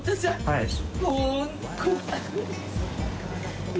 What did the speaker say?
はい。